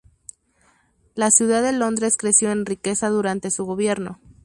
La ciudad de Londres creció en riqueza durante su gobierno.